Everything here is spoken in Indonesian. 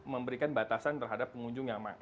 memberikan batasan terhadap pengunjung yang